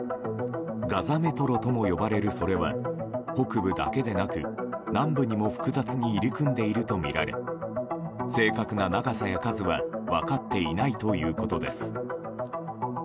ガザメトロとも呼ばれる、それは北部だけでなく南部にも複雑に入り組んでいるとみられ正確な長さや数は分かっていないということです。